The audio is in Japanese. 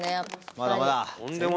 まだまだ。